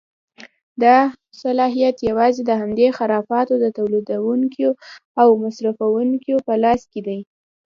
دا صلاحیت یوازې د همدې خرافاتو د تولیدوونکیو او مصرفوونکیو په لاس کې دی.